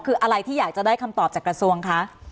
คืออะไรที่อยากจะได้คำตอบจากกระทรวงคะ